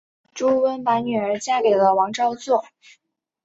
朱温把女儿嫁给了王昭祚。